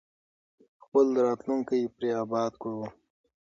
خپل راتلونکی پرې اباد کړو.